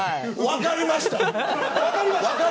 分かりました。